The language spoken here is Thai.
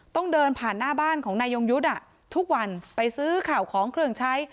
ต้องเดินผ่านหน้าบ้านของนายยงยุทธ์ทุกวันไปซื้อข่าวของเครื่องใช้